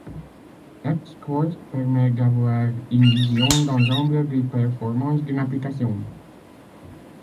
App Scores permet d'avoir une vision d'ensemble des performances d'une application.